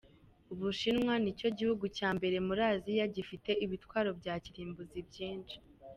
U Bushinwa nicyo gihugu cya mbere muri Aziya gifite ibitwaro bya kirimbuzi byinshi.